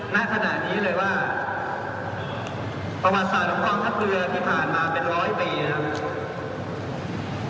ณขณะนี้เลยว่าประวัติศาสตร์ของกองทัพเรือที่ผ่านมาเป็นร้อยปีนะครับ